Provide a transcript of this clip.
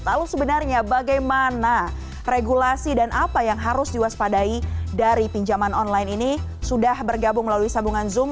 lalu sebenarnya bagaimana regulasi dan apa yang harus diwaspadai dari pinjaman online ini sudah bergabung melalui sambungan zoom